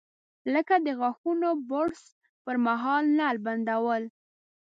لکه د غاښونو برش پر مهال نل بندول.